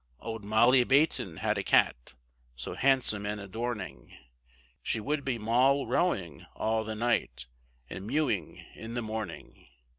Old Molly Bayton had a cat, So handsome and adorning, She would be moll rowing all the night, And mewing in the morning.